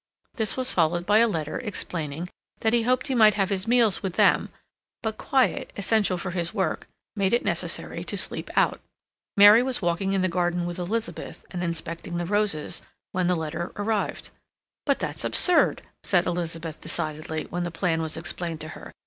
This was followed by a letter explaining that he hoped he might have his meals with them; but quiet, essential for his work, made it necessary to sleep out. Mary was walking in the garden with Elizabeth, and inspecting the roses, when the letter arrived. "But that's absurd," said Elizabeth decidedly, when the plan was explained to her.